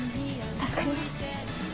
助かります。